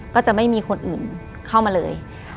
ก็จะไม่มีคนอื่นเข้ามาเลย